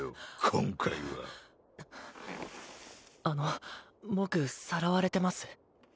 今回はあの僕さらわれてます？